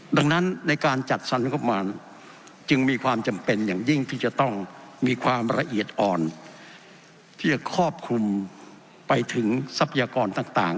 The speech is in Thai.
ดังนั้นในการจัดสรรงบประมาณจึงมีความจำเป็นอย่างยิ่งที่จะต้องมีความละเอียดอ่อนที่จะครอบคลุมไปถึงทรัพยากรต่าง